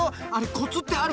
コツってあるの？